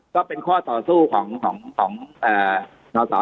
ก็เป็นข้อส่อสู้ของของของเอ่อนอสอแอมนะครับครับ